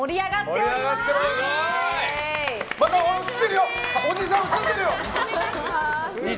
おじさん、映ってるよ！